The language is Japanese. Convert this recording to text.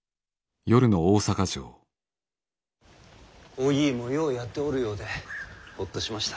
於義伊もようやっておるようでホッとしました。